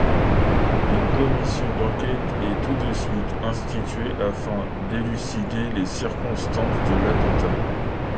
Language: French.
Une commission d'enquête est tout de suite instituée afin d'élucider les circonstances de l'attentat.